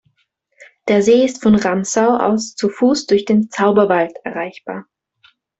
Der See ist von Ramsau aus zu Fuß durch den "Zauberwald" erreichbar.